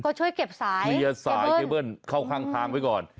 ก็ช่วยเก็บสายเคเบิ้ลเข้าทางไว้ก่อน